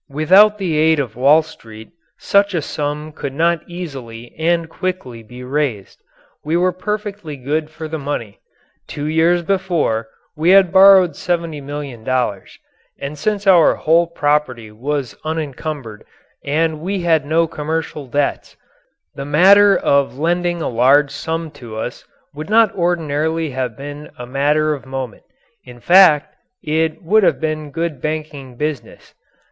Without the aid of Wall Street such a sum could not easily and quickly be raised. We were perfectly good for the money. Two years before we had borrowed $70,000,000. And since our whole property was unencumbered and we had no commercial debts, the matter of lending a large sum to us would not ordinarily have been a matter of moment. In fact, it would have been good banking business.